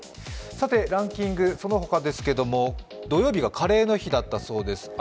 ランキング、その他ですけど、土曜日がカレーの日だったそうです。